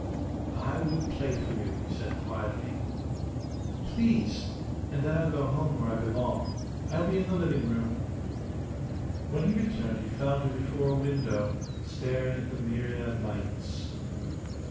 "I will play for you," he said, quietly. "Please! And then I'll go home where I belong. I'll be in the living room." When he returned he found her before a window, staring at the myriad lights.